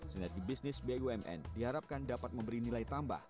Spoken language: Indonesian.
sinergi bisnis bumn diharapkan dapat memberi nilai tambah